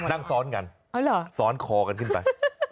นั่งซ้อนกันซ้อนคอกันขึ้นไป